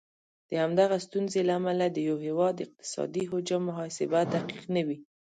د همدغه ستونزې له امله د یو هیواد اقتصادي حجم محاسبه دقیقه نه وي.